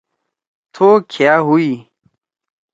تھو کہئا ہوئ